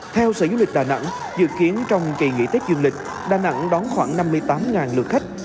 theo sở du lịch đà nẵng dự kiến trong kỳ nghỉ tết dương lịch đà nẵng đón khoảng năm mươi tám lượt khách